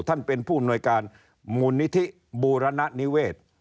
ท่านเป็นผู้อำนวยการมูลนิธิบูรณนิเวศ